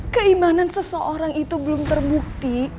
keimanan seseorang itu belum terbukti